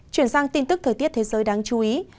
chuyển sang tin tức thời tiết thế giới đáng chú ý